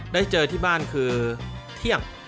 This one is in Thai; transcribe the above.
ได้เจอที่บ้านคือเที่ยง